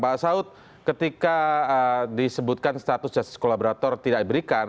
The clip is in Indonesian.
pak asaud ketika disebutkan status jasad kolaborator tidak diberikan